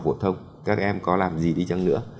phổ thông các em có làm gì đi chăng nữa